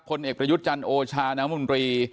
คนเอกประยุจจรโอชาแนะมุนรี